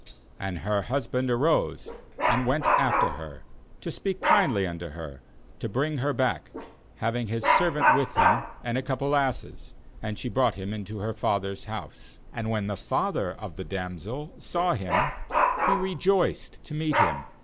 3And her husband arose, and went after her, to speak kindly unto her, to bring her back, having his servant with him, and a couple of asses; and she brought him into her father's house; and when the father of the damsel saw him, he rejoiced to meet him.